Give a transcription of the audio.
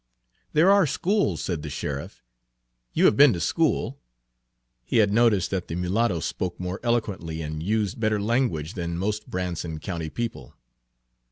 "There are schools," said the sheriff. "You have been to school." He had noticed that the mulatto spoke more eloquently and used better language than most Branson County people.